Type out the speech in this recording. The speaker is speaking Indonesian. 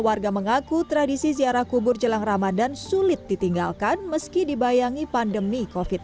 warga mengaku tradisi ziarah kubur jelang ramadan sulit ditinggalkan meski dibayangi pandemi kofit